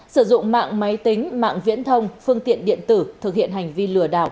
sử dụng mạng máy tính mạng viễn thông phương tiện điện tử thực hiện hành vi lừa đảo